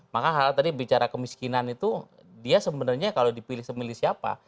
maka hal tadi bicara kemiskinan itu dia sebenarnya kalau dipilih semilih siapa